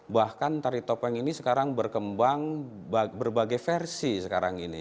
bahkan tari topeng ini sekarang berkembang berbagai versi sekarang ini